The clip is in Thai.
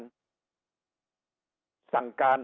ลูกหลานบอกว่าเรียกรถไปหลายครั้งนะครับ